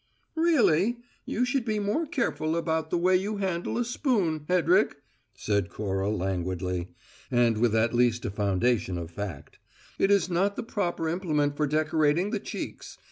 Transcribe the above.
"Really, you should be more careful about the way you handle a spoon, Hedrick," said Cora languidly, and with at least a foundation of fact. "It is not the proper implement for decorating the cheeks.